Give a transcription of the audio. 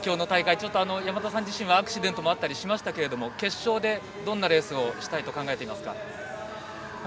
ちょっと山田さん自身はアクシデントもあったりしましたけど決勝でどんなレースをしたいと考えていますか。